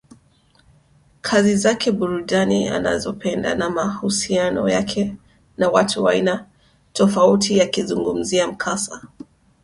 kazi zake burudani anazopenda na mahusiano yake na watu wa aina tofautiAkizungumzia mkasa